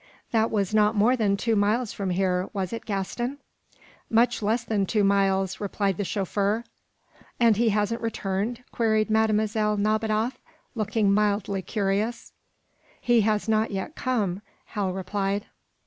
That was not more than two miles from here, was it, Gaston?" "Much less than two miles," replied the chauffeur. "And he hasn't returned?" queried Mlle. Nadiboff, looking mildly curious. "He has not yet come," Hal replied.